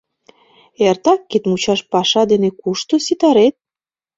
Эртак кидмучаш паша дене кушто ситарет?